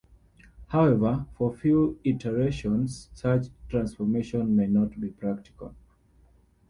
However, for few iterations such transformation may not be practical.